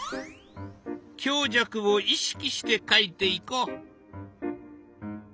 強弱を意識して描いていこう。